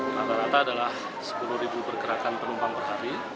rata rata adalah sepuluh pergerakan penumpang perhari